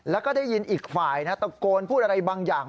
แล้วก็ได้ยินอีกฝ่ายตะโกนพูดอะไรบางอย่าง